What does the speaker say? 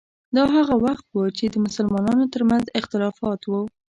دا هغه وخت و چې د مسلمانانو ترمنځ اختلافات وو.